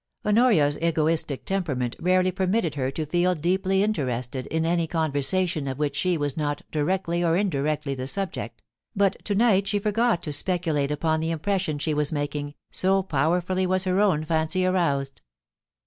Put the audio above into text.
Honoria's egoistic temperament rarely permitted her to feel deeply interested in any conversation of which she was not directly or indirectly the subject, but to night she forgot to speculate upon the impression she was making, so power fully was her own fancy aroused.